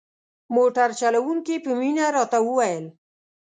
موټر چلوونکي په مینه راته وویل.